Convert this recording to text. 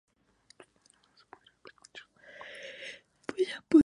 La digestión es fundamental.